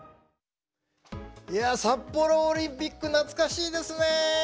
いや札幌オリンピック懐かしいですね。